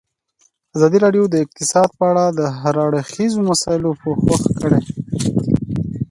ازادي راډیو د اقتصاد په اړه د هر اړخیزو مسایلو پوښښ کړی.